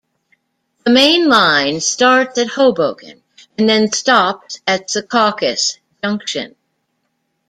The Main Line starts at Hoboken and then stops at Secaucus Junction.